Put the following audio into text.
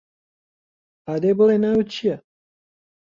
ئادەی بڵێ ناوت چییە؟